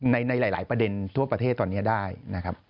ในหลายประเด็นทั่วประเทศตอนนี้ได้นะครับ